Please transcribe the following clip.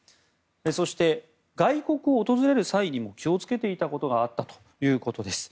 そして、外国を訪れる際にも気をつけていたことがあったということです。